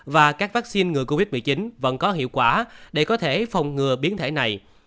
và các vaccine ngừa covid một mươi chín vẫn có hiệu quả để có thể phòng ngừa biến thể này